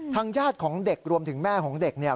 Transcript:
ญาติของเด็กรวมถึงแม่ของเด็กเนี่ย